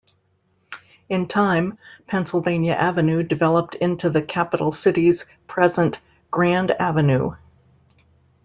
In time, Pennsylvania Avenue developed into the capital city's present "grand avenue".